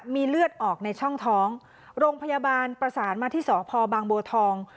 มีเลือดออกในช่องท้องโรงพยาบาลประสานมาที่สพบางบัวทอง